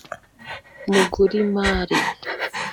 Mugurimari